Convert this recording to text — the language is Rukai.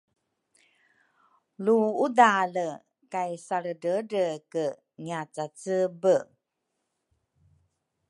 lu udale kay salredredreke ngiacacebe.